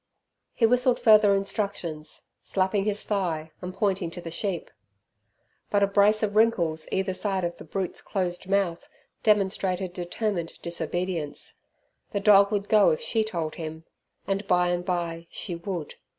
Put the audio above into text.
He whistled further instructions, slapping his thigh and pointing to the sheep. But a brace of wrinkles either side the brute's closed mouth demonstrated determined disobedience. The dog would go if she told him, and by and by she would.